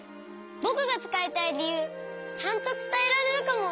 ぼくがつかいたいりゆうちゃんとつたえられるかも。